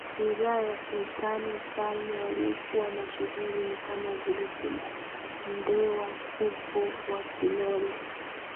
ridhaa ya Sultani MfalmeWaliokuwa mashuhuri ni kama vile kina Mndewa Fuko wa Kinole